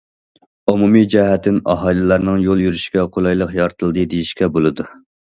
ئومۇمىي جەھەتتىن ئاھالىلەرنىڭ يول يۈرۈشىگە قولايلىق يارىتىلدى دېيىشكە بولىدۇ.